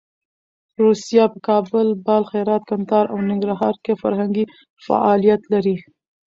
روسیه په کابل، بلخ، هرات، کندهار او ننګرهار کې فرهنګي فعالیت لري.